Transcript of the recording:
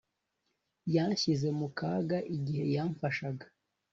Yashyize mu kaga igihe yamfashaga